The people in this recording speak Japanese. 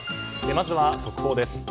まずは速報です。